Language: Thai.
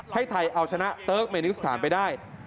ให้ไทยเอาชนะเติร์กเมนิสถานไปได้